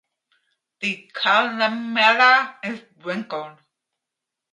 The columella is wrinkled.